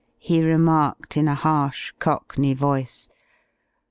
he remarked in a harsh cockney voice.